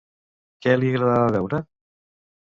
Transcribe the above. Què li agradava beure?